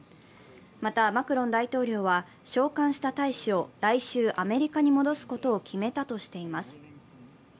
またマクロン大統領は召還した大使を来週、アメリカに戻すことを決めたとしています。